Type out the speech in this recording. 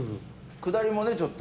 下りもねちょっと。